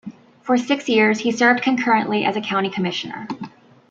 For six years, he served concurrently as a county commissioner.